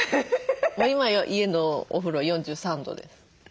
今家のお風呂４３度です。